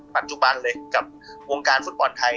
ปัจจุบันเลยกับวงการฟุตบอลไทย